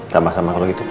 sama sama kalo gitu pak ya